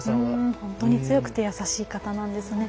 本当に強くてやさしい方なんですね。